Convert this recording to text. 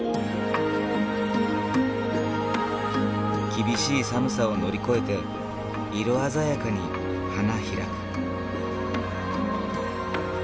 厳しい寒さを乗り越えて色鮮やかに花開く。